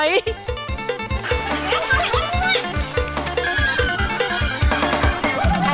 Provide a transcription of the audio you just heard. สวัสดีค่ะ